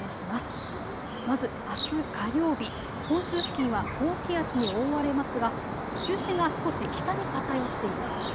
まず、あす火曜日、本州付近は高気圧に覆われますが中心が少し北に偏っています。